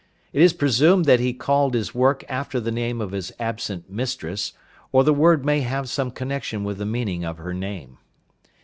It is presumed that he called his work after the name of his absent mistress, or the word may have some connection with the meaning of her name.